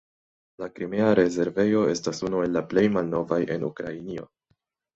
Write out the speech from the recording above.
La Krimea rezervejo estas unu el la plej malnovaj en Ukrainio.